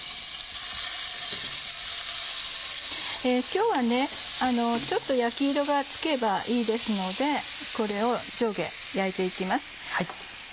今日はちょっと焼き色がつけばいいですのでこれを上下焼いて行きます。